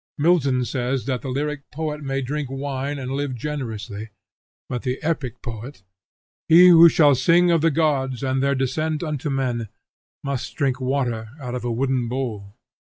Milton says that the lyric poet may drink wine and live generously, but the epic poet, he who shall sing of the gods and their descent unto men, must drink water out of a wooden bowl.